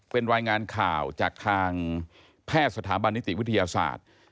เป็นรายงานข่าวจากทางแพทย์สถาบันนิติวิทยาศาสตร์